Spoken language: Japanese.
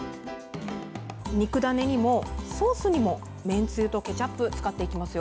肉ダネにもソースにもめんつゆとケチャップを使っていきますよ。